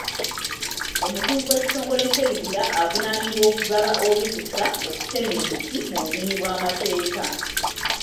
Omukungu w'ekitongole ky'ebibira avunaaanibwa okugaba olukusa okutema emiti mu bumenyi bw'amateeka.